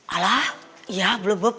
alah iya blebep